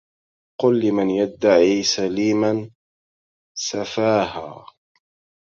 قل لمن يدعي سليما سفاها